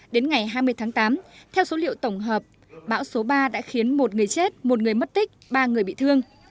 đến ngày hai mươi tháng tám theo số liệu tổng hợp bão số ba đã khiến một người chết một người mất tích ba người bị thương